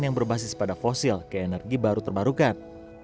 yang berbasis pada fosil ke energi baru terbarukan